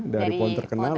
dari pohon terkenal